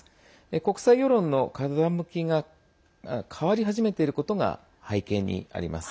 国際世論の風向きが変わり始めていることが背景にあります。